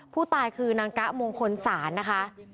ผู้ตายคือนางกะมงคลศาลนะคะ